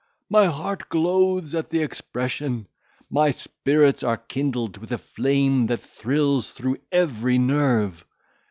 my heart glows at the expression! my spirits are kindled with a flame that thrills through every nerve!